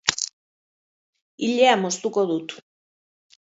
ilea moztuko dut